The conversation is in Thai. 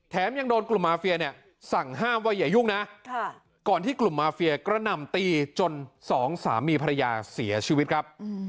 ยังโดนกลุ่มมาเฟียเนี่ยสั่งห้ามว่าอย่ายุ่งนะก่อนที่กลุ่มมาเฟียกระหน่ำตีจนสองสามีภรรยาเสียชีวิตครับ